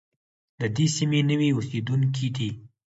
د دې سیمې نوي اوسېدونکي دي.